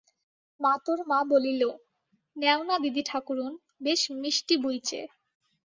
মাতোর মা বলিল, নেও না দিদি ঠাকুরোন, বেশ মিষ্টি বুইচে।